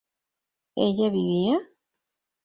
¿ella vivía?